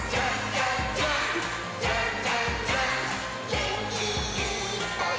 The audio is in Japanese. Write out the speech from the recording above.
「げんきいっぱい